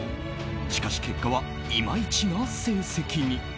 しかし結果はいまいちな成績に。